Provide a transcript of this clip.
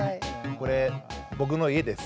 これ僕の家です。